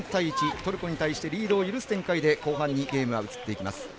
トルコに対してリードを許す展開で後半にゲームは移っていきます。